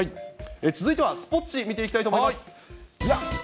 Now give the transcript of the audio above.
続いてはスポーツ紙、見ていきたいと思います。